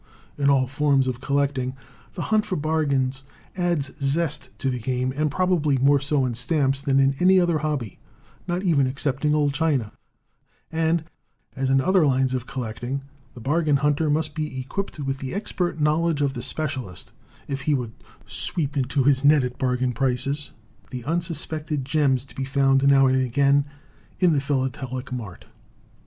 In all forms of collecting the hunt for bargains adds zest to the game, and probably more so in stamps than in any other hobby, not even excepting old china; and, as in other lines of collecting, the bargain hunter must be equipped with the expert knowledge of the specialist if he would sweep into his net at bargain prices the unsuspected gems to be found now and again in the philatelic mart.